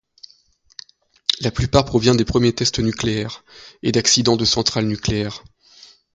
La plupart provient des premiers tests nucléaires, et d'accidents de centrales nucléaires.